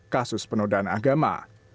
kasus penodaan agama